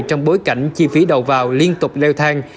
trong bối cảnh chi phí đầu vào liên tục leo thang